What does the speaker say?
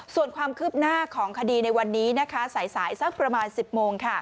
ส่วนความคืบหน้าของคดีในวันนี้นะคะสายสักประมาณ๑๐โมง